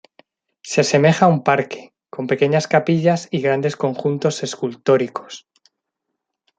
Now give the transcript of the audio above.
Se asemeja a un parque, con pequeñas capillas y grandes conjuntos escultóricos.